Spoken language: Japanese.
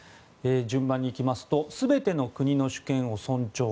順番に行きますと全ての国の主権を尊重